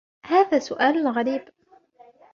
هذا سوال غريب.